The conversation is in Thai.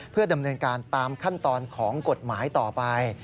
เพื่อดำเนินการตามขั้นตอนของกฎหมายต่อไป